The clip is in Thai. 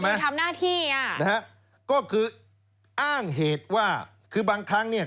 ทำหน้าที่อ่ะนะฮะก็คืออ้างเหตุว่าคือบางครั้งเนี่ย